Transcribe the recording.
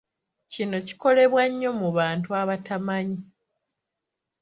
Kino kikolebwa nnyo mu bantu abatamanyi.